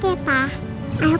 saya harap kita berhutang lagi